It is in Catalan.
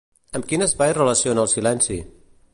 Amb quin espai relaciona el silenci?